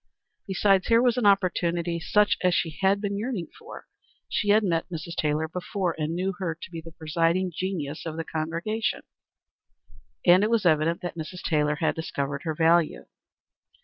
Besides here was an opportunity such as she had been yearning for. She had met Mrs. Taylor before, and knew her to be the presiding genius of the congregation; and it was evident that Mrs. Taylor had discovered her value.